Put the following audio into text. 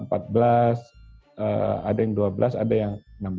ada yang dua belas ada yang enam belas